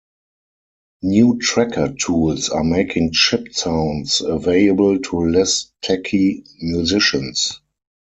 New tracker tools are making chip sounds available to less techy musicians.